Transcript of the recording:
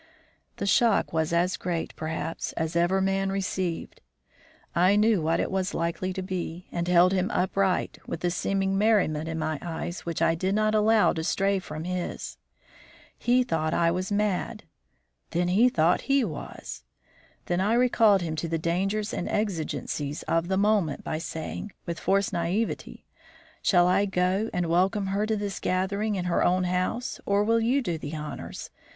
The shock was as great, perhaps, as ever man received. I knew what it was likely to be, and held him upright, with the seeming merriment in my eyes which I did not allow to stray from his. He thought I was mad, then he thought he was then I recalled him to the dangers and exigencies of the moment by saying, with forced naïveté: "Shall I go and welcome her to this gathering in her own house, or will you do the honors?